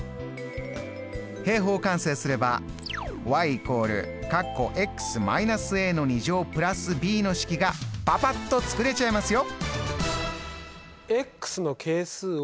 平方完成すればの式がパパっと作れちゃいますよ。